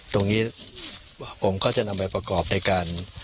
ตรงนี้ผมก็จะนำไปประกอบในการ